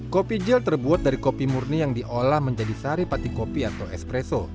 kopi gel terbuat dari kopi murni yang diolah menjadi sari pati kopi atau espresso